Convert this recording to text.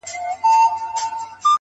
د هلک موري جنتي شې،